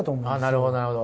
なるほど、なるほど。